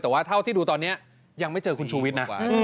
แต่ว่าเท่าที่ดูตอนนี้ยังไม่เจอคุณชูวิทย์นะ